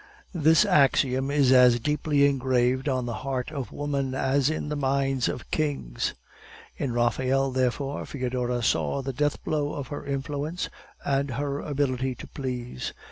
This axiom is as deeply engraved on the heart of woman as in the minds of kings. In Raphael, therefore, Foedora saw the deathblow of her influence and her ability to please.